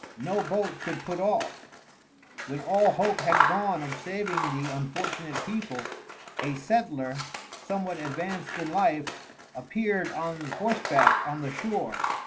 No boat could put off. When all hope had gone of saving the unfortunate people, a settler, somewhat advanced in life, appeared on horseback on the shore.